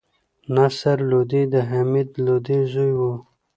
نصر لودي د حمید لودي زوی وو.